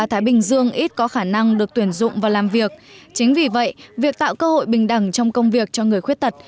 thái bình dương ít có khả năng được tuyển dụng và làm việc chính vì vậy việc tạo cơ hội bình đẳng trong công việc cho người khuyết tật